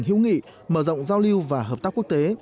hữu nghị mở rộng giao lưu và hợp tác quốc tế